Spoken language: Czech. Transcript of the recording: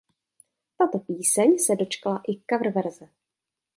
Tato píseň se dočkala i coververze.